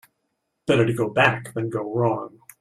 Better to go back than go wrong.